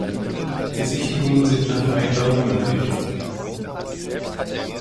Besichtigungen sind nach Vereinbarung möglich.